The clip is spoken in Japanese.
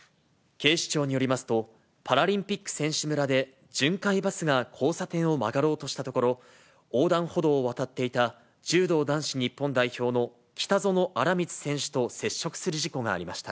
警視庁によりますと、パラリンピック選手村で、巡回バスが交差点を曲がろうとしたところ、横断歩道を渡っていた柔道男子日本代表の北薗新光選手と接触する事故がありました。